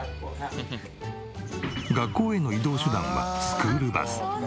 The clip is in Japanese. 学校への移動手段はスクールバス。